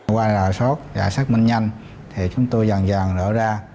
qua là soát và xác minh nhanh thì chúng tôi dần dần đổ ra